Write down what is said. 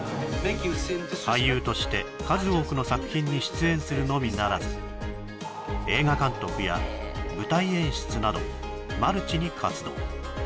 俳優として数多くの作品に出演するのみならず映画監督や舞台演出などマルチに活動